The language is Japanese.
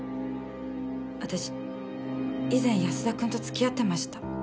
私以前安田君と付き合ってました。